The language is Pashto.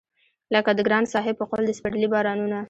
لکه د ګران صاحب په قول د سپرلي بارانونه